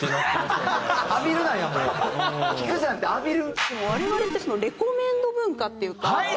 でも我々って『レコメン！』の文化っていうか。